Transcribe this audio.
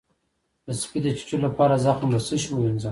د سپي د چیچلو لپاره زخم په څه شی ووینځم؟